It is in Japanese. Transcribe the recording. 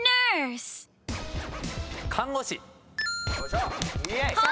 看護師。